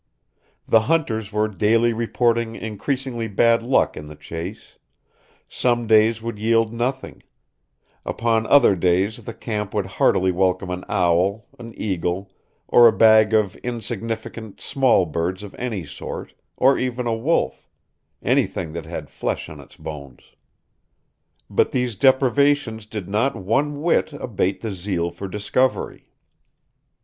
The hunters were daily reporting increasingly bad luck in the chase; some days would yield nothing; upon other days the camp would heartily welcome an owl, an eagle, or a bag of insignificant small birds of any sort, or even a wolf anything that had flesh on its bones. But these deprivations did not one whit abate the zeal for discovery.